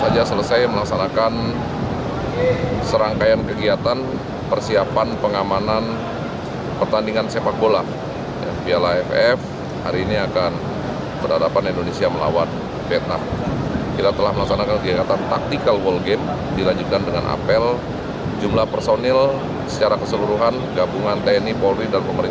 jangan lupa like share dan subscribe channel ini untuk dapat info terbaru dari kami